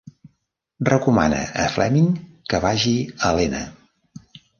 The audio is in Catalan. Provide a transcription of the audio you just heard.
Recomana a Fleming que vagi a Lena.